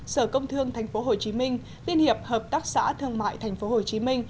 sở công thương tp hcm liên hiệp hợp tác xã thương mại tp hcm